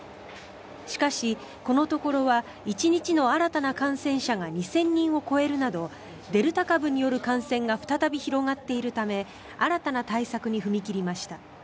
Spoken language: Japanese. しかし、このところは１日の新たな感染者が２０００人を超えるなどデルタ株による感染が再び広がっているため新たな対策に踏み切りました。